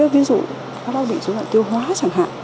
ví dụ các bác bị số loạn tiêu hóa chẳng hạn